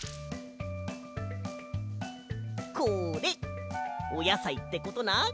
これおやさいってことな。